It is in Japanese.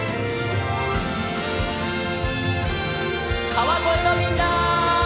川越のみんな！